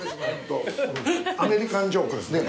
アメリカンジョークですね。